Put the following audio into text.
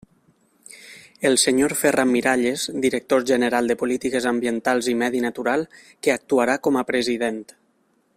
El senyor Ferran Miralles, director general de Polítiques Ambientals i Medi Natural, que actuarà com a president.